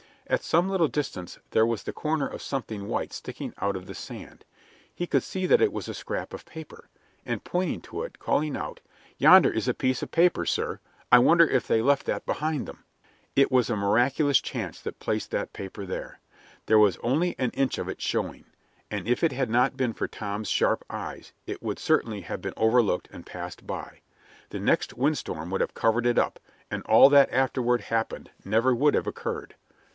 At some little distance there was the corner of something white sticking up out of the sand. He could see that it was a scrap of paper, and he pointed to it, calling out: "Yonder is a piece of paper, sir. I wonder if they left that behind them?" [Illustration: EXTORTING TRIBUTE FROM THE CITIZENS] It was a miraculous chance that placed that paper there. There was only an inch of it showing, and if it had not been for Tom's sharp eyes, it would certainly have been overlooked and passed by. The next windstorm would have covered it up, and all that afterward happened never would have occurred.